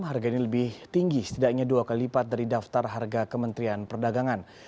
harga ini lebih tinggi setidaknya dua kali lipat dari daftar harga kementerian perdagangan